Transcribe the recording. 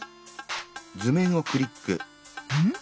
うん？